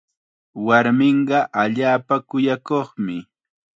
Warminqa allaapa kuyakuqmi.